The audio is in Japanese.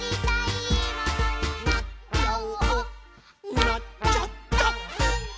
「なっちゃった！」